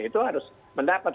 itu harus mendapat